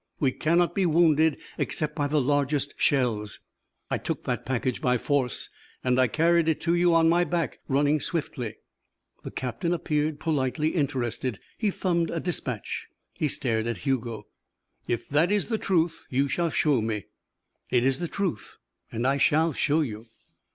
We cannot be wounded except by the largest shells. I took that package by force and I carried it to you on my back, running swiftly." The captain appeared politely interested. He thumbed a dispatch. He stared at Hugo. "If that is the truth, you shall show me." "It is the truth and I shall show you."